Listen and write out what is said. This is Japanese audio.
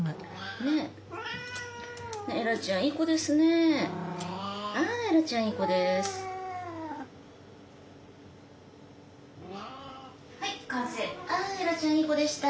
ああエラちゃんいい子でした！